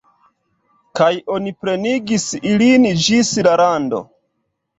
Kaj oni plenigis ilin ĝis la rando.